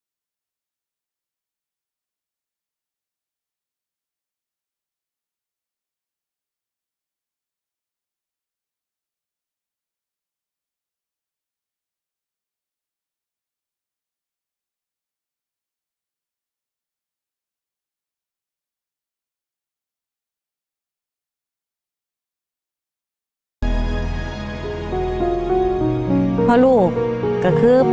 ลองกันถามอีกหลายเด้อ